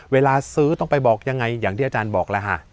เวลาซื้อต้องไปบอกยังไงอย่างที่อาจารย์บอกแล้วฮะ